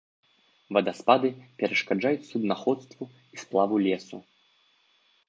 Вадаспады перашкаджаюць суднаходству і сплаву лесу.